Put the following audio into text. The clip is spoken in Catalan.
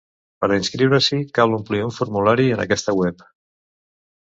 Per a inscriure-s’hi, cal omplir un formulari en aquesta web.